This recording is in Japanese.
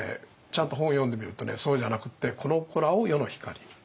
ちゃんと本を読んでみるとそうじゃなくって「この子らを世の光りに」。